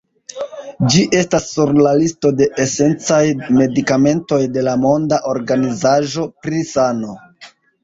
Ĝi estas sur la listo de esencaj medikamentoj de la Monda Organizaĵo pri Sano.